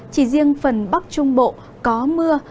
chỉ riêng phần bắc trung bộ có mưa